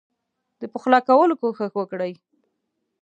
د پخلا کولو کوښښ وکړي.